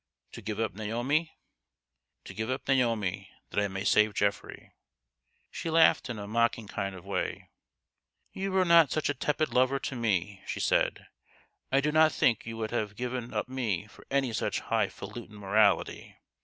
" To give up Naomi ?"" To give up Naomi that I may save Geoffrey." THE GHOST OF THE PAST. 183 She laughed in a mocking kind of way. " You were not such a tepid lover to me," she said. "I do not think you would have given up me for any such high falutin morality